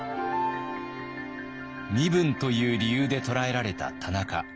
身分という理由で捕らえられた田中。